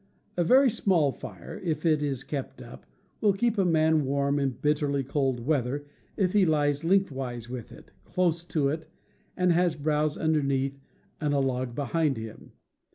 A very small fire. 216 CAMPING AND WOODCRAFT if it is kept up, will keep a man warm in bitterly cold weather if he lies lengthwise with it, close to it, and has browse underneath and a log behind him.